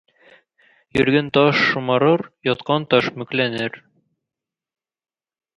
Йөргән таш шомарыр, яткан таш мүкләнер.